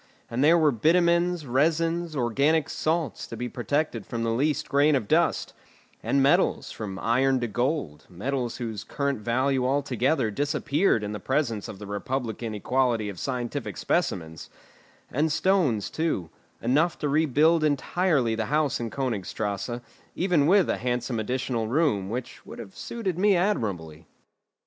And there were bitumens, resins, organic salts, to be protected from the least grain of dust; and metals, from iron to gold, metals whose current value altogether disappeared in the presence of the republican equality of scientific specimens; and stones too, enough to rebuild entirely the house in Königstrasse, even with a handsome additional room, which would have suited me admirably.